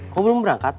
kok belum berangkat